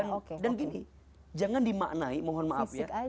sungguh sungguh dan gini jangan dimaknai mohon maaf ya